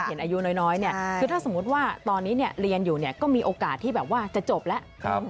เห็นอายุน้อยถ้าสมมติว่าตอนนี้เรียนอยู่ก็มีโอกาสที่แบบว่าจะจบแล้ว